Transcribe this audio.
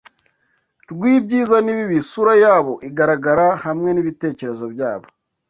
rwibyiza nibibi, isura yabo igaragara, hamwe nibitekerezo byabo